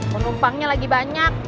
menumpangnya lagi banyak